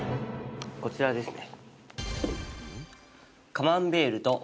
こちらですね。